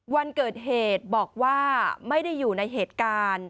วันเกิดเหตุบอกว่าไม่ได้อยู่ในเหตุการณ์